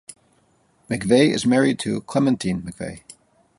McVeigh is married to Clementine McVeigh.